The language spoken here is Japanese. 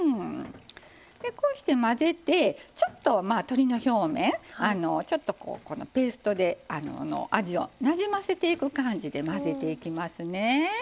こうして混ぜてちょっと鶏の表面ちょっとこうペーストで味をなじませていく感じで混ぜていきますね。